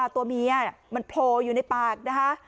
ตัวเมียมันโผล่อยู่ในปากนะคะ